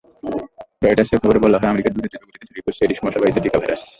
রয়টার্সের খবরে বলা হয়, আমেরিকাজুড়ে দ্রুতগতিতে ছড়িয়ে পড়ছে এডিস মশাবাহিত জিকা ভাইরাস।